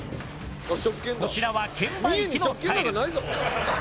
こちらは券売機のスタイル。